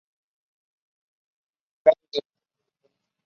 El significado del río se desconoce.